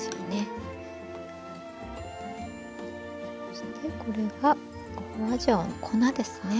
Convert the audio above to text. そしてこれが花椒の粉ですね。